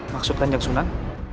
maksud kajang sunan